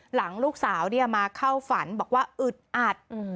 หลังลูกสาวมาเข้าฝันบอกว่าอึดอัด